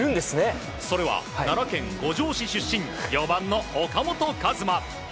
それは奈良県五條市出身４番の岡本和真。